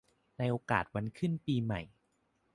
ในโอกาสวันขึ้นปีใหม่